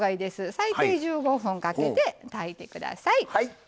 最低１５分かけて炊いてください。